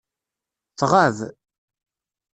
Tɣab.